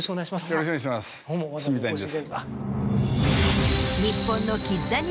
よろしくお願いします住谷です。